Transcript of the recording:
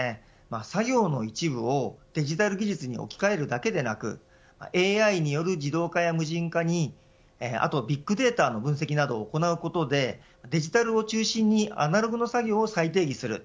作業の一部をデジタル技術に置き換えるだけでなくＡＩによる自動化や無人化にあと、ビッグデータの分析などを行うことでデジタルを中心にアナログの作業を再定義する。